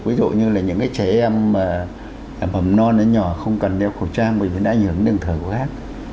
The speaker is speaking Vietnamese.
ví dụ như là những cái trẻ em mà mầm non nhỏ không cần đeo khẩu trang bởi vì đã nhớ đường thở của khác